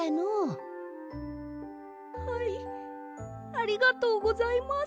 ありがとうございます。